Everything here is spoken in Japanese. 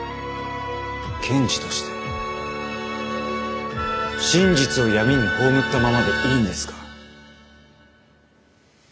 検事として真実を闇に葬ったままでいいんですか？